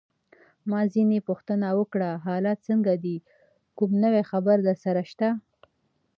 ما ځینې پوښتنه وکړه: حالات څنګه دي؟ کوم نوی خبر درسره شته؟